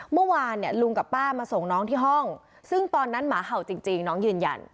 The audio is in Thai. เมื่อวานเนี่ยลุงกับป้ามาส่งน้องที่ห้องซึ่งตอนนั้นหมาเห่าจริงน้องยืนยัน